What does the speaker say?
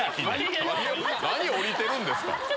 何下りてるんですか？